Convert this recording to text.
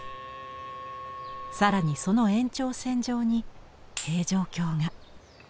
更にその延長線上に平城京が。